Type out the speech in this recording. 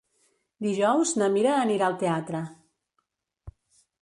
Dijous na Mira anirà al teatre.